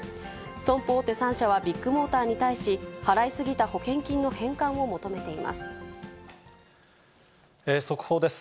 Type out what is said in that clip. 損保大手３社はビッグモーターに対し、払い過ぎた保険金の返還を速報です。